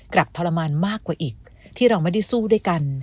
ทรมานมากกว่าอีกที่เราไม่ได้สู้ด้วยกัน